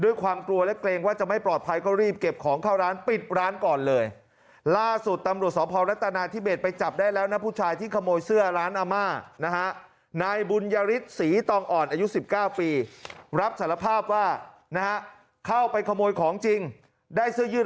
อยู่๑๙ปีรับสารภาพว่านะเข้าไปขโมยของจริงได้เสื้อยื่น